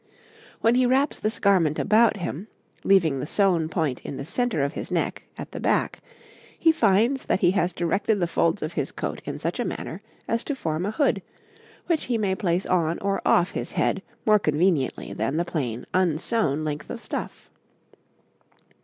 When he wraps this garment about him, leaving the sewn point in the centre of his neck at the back, he finds that he has directed the folds of his coat in such a manner as to form a hood, which he may place on or off his head more conveniently than the plain unsewn length of stuff.